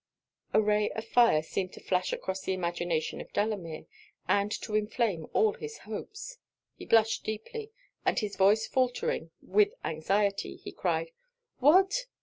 A ray of fire seemed to flash across the imagination of Delamere, and to inflame all his hopes. He blushed deeply, and his voice faultering with anxiety, he cried 'What?